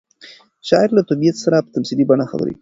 شاعر له طبیعت سره په تمثیلي بڼه خبرې کوي.